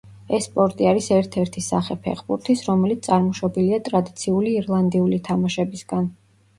ეს სპორტი არის ერთ-ერთი სახე ფეხბურთის, რომელიც წარმოშობილია ტრადიციული ირლანდიური თამაშებისგან.